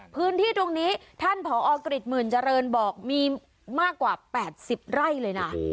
พื้นที่ตรงนี้ท่านผอกฤษหมื่นเจริญบอกมีมากกว่า๘๐ไร่เลยนะ